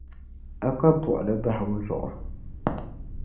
A ka buɣuli bahi o zuɣu.